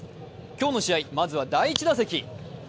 今日の試合、まずは第１打席。